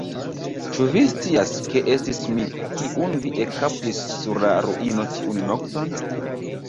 Ĉu vi scias, ke estis mi, kiun vi ekkaptis sur la ruino tiun nokton?